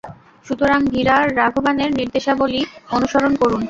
সুতরাং ভীরা রাঘবানের নির্দেশাবলী অনুসরণ করুন।